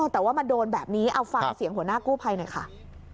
แต่ว่ามาโดนแบบนี้เอาฟังเสียงหัวหน้ากู้ภัยหน่อยค่ะ